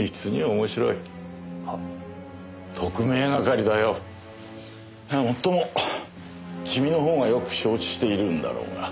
もっとも君の方がよく承知しているんだろうが。